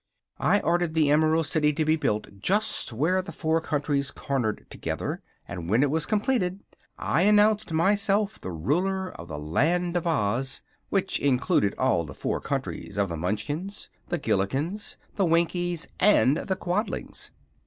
I ordered the Emerald City to be built just where the four countries cornered together, and when it was completed I announced myself the Ruler of the Land of Oz, which included all the four countries of the Munchkins, the Gillikins, the Winkies and the Quadlings.